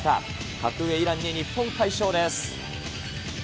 格上、イランに日本快勝です。